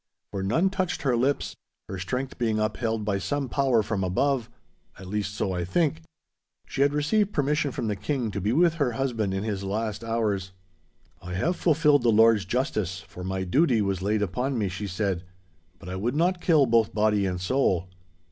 For none touched her lips, her strength being upheld by some power from above; at least, so I think. She had received permission from the King to be with her husband in his last hours. 'I have fulfilled the Lord's justice, for my duty was laid upon me,' she said, 'but I would not kill both body and soul.